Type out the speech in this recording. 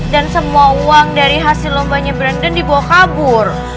dan semua uang dari hasil lombanya brandon dibawa kabur